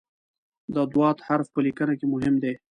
د "ض" حرف په لیکنه کې مهم دی.